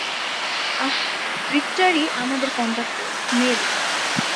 আহ, রিক্টারই আমাদের conductor, mail.